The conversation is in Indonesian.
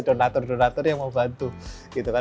donator donator yang mau bantu gitu kan